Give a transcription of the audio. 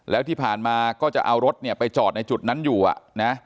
แล้วที่ผ่านมาก็จะเอารถเนี่ยไปจอดในจุดนั้นอยู่อ่ะนะ